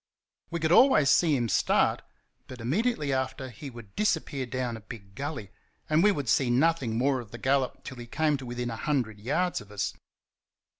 We could always see him start, but immediately after he would disappear down a big gully, and we would see nothing more of the gallop till he came to within a hundred yards of us.